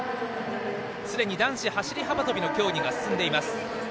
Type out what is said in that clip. すでに男子走り幅跳びの競技が進んでいます。